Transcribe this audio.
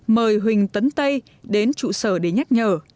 mời huỳnh tấn tây đến trụ sở để nhắc nhở